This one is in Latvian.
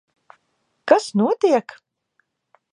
Kas notiek?